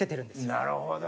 なるほど。